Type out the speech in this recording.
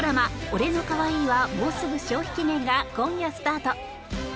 「俺の可愛いはもうすぐ消費期限！？」が今夜スタート！